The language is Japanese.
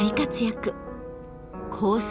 コース